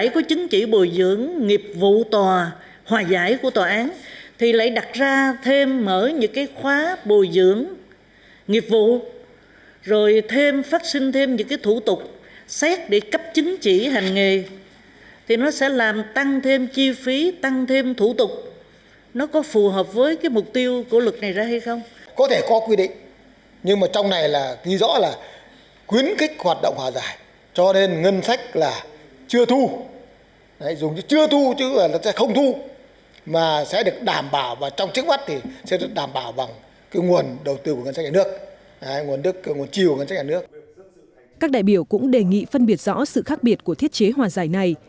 các đại biểu cũng đề nghị phân biệt rõ sự khác biệt của thiết chế hòa giải này